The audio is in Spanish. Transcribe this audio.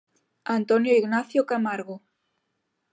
Antonio Ignacio Camargo.